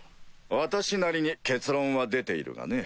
私なりに結論は出ているがね。